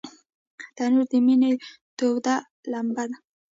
تنور د مینې تود لمبه لري